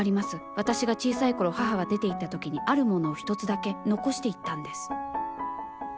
私が小さいころ母が出て行った時にあるものを１つだけ残して行ったんです。